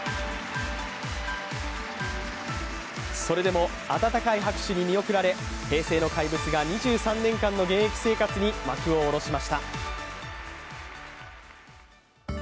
それでも温かい拍手に見送られ平成の怪物が２３年間の現役生活に幕を下ろしました。